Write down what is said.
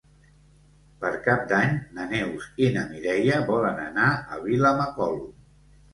Per Cap d'Any na Neus i na Mireia volen anar a Vilamacolum.